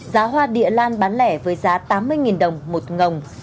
giá hoa địa lan bán lẻ với giá tám mươi đồng một ngồng